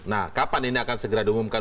nah kapan ini akan segera diumumkan